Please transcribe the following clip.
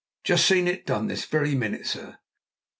"Just seen it done this very minute, sir."